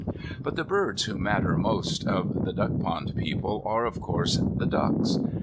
But the birds who matter most of the Duck Pond People, are, of course, the Ducks.